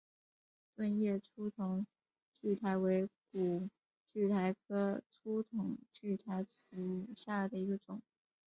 盾叶粗筒苣苔为苦苣苔科粗筒苣苔属下的一个种。